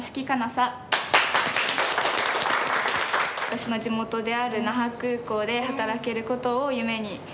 私の地元である那覇空港で働けることを夢に思って。